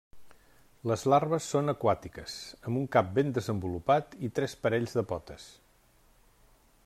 Les larves són aquàtiques, amb un cap ben desenvolupat i tres parells de potes.